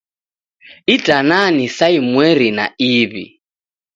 Itana ni saa imweri na iw'i.